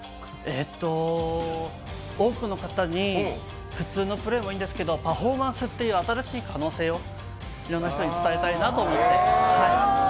えっと多くの方に、普通のプレーもいいんですけどパフォーマンスっていう新しい可能性をいろんな人に伝えたいなと思って。